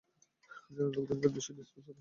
যেন লোকদের নিকট বিষয়টি স্পষ্ট থাকে।